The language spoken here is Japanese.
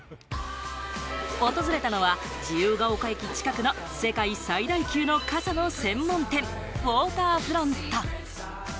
訪れたのは、自由が丘駅近くの世界最大級の傘の専門店・Ｗａｔｅｒｆｒｏｎｔ。